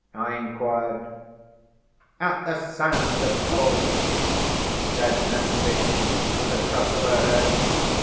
I inquired. "At the sands, of course!" says Nancy, with a toss of her head.